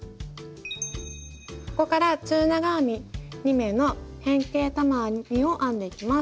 ここから中長編み２目の変形玉編みを編んでいきます。